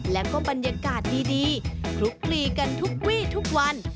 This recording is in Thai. แล้วก็บรรยากาศดีคลุกคลีกันทุกวี่ทุกวัน